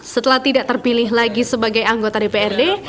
setelah tidak terpilih lagi sebagai anggota dprd